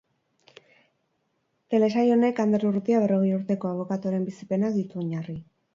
Telesaio honek Ander Urrutia berrogei urteko abokatuaren bizipenak ditu oinarri.